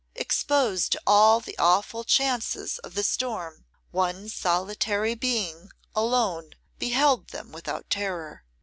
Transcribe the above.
Exposed to all the awful chances of the storm, one solitary being alone beheld them without terror.